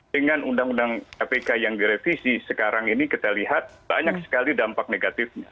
dengan undang undang kpk yang direvisi sekarang ini kita lihat banyak sekali dampak negatifnya